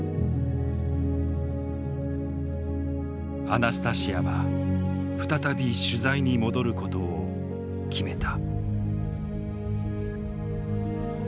アナスタシヤは再び取材に戻ることを決めた。